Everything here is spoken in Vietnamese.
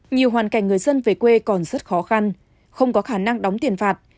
nhiều hoàn cảnh người dân về quê còn rất khó khăn không có khả năng đóng tiền phạt